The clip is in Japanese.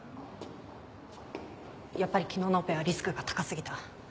やっぱり昨日のオペはリスクが高すぎた。